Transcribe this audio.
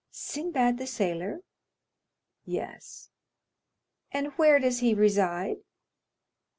"Sinbad the Sailor?" "Yes." "And where does he reside?"